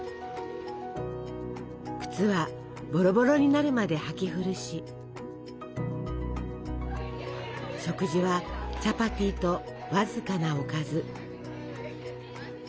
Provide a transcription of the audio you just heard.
靴はボロボロになるまで履き古し食事はチャパティと僅かなおかず。